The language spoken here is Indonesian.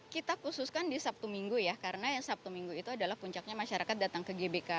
kita khususkan di sabtu minggu ya karena yang sabtu minggu itu adalah puncaknya masyarakat datang ke gbk